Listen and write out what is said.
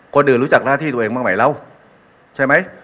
คนอื่นรู้จักหน้าที่ตัวเองบ้างไหมแล้วใช่ไหม